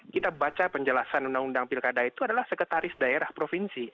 kita baca penjelasan undang undang pilkada itu adalah sekretaris daerah provinsi